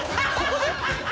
ここで？